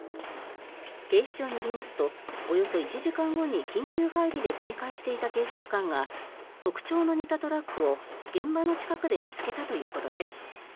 警視庁によりますとおよそ１時間後に緊急配備で警戒していた警察官が特徴の似たトラックを現場の近くで見つけたということです。